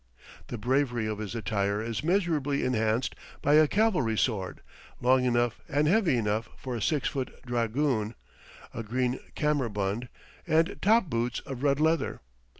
The bravery of his attire is measurably enhanced by a cavalry sword, long enough and heavy enough for a six foot dragoon, a green kammerbund, and top boots of red leather.